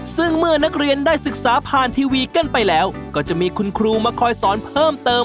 ซึ่งเมื่อนักเรียนได้ศึกษาผ่านทีวีกันไปแล้วก็จะมีคุณครูมาคอยสอนเพิ่มเติม